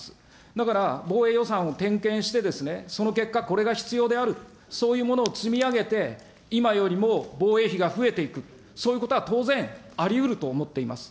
だから防衛予算を点検してその結果、これが必要である、そういうものを積み上げて、今よりも防衛費が増えていく、そういうことは当然ありうると思っています。